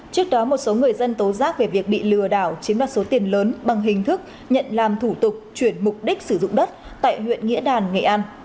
trước đó một số người dân tố giác về việc bị lừa đảo chiếm đoạt số tiền lớn bằng hình thức nhận làm thủ tục chuyển mục đích sử dụng đất tại huyện nghĩa đàn nghệ an